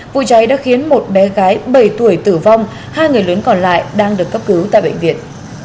vụ cháy đã khiến một bé gái bảy tuổi tử vong hai người lớn còn lại đang được cấp cứu tại bệnh viện